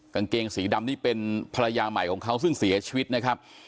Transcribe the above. กางเกงสีดำนี่เป็นภรรยาใหม่ของเขาซึ่งเสียชีวิตนะครับ